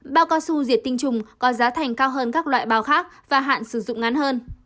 bao cao su diệt tinh trùng có giá thành cao hơn các loại bao khác và hạn sử dụng ngắn hơn